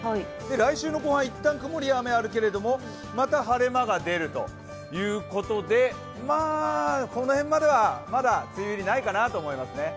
来週の後半、一旦ここに雨があるけれども、また晴れ間が出るということで、この辺まではまだ梅雨入りないと思いますね。